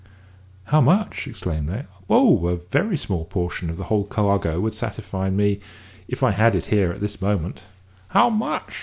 "How much!" exclaimed I; "oh, a very small portion of the whole cargo would satisfy me if I had it here at this moment." "How much?"